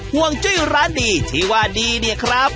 ห่วงจุ้ยร้านดีชิคกี้พายว่าดีเนี่ยครับ